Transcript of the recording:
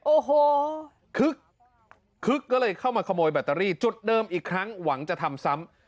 โอ้โหคึกคึกก็เลยเข้ามาขโมยแบตเตอรี่จุดเดิมอีกครั้งหวังจะทำซ้ำ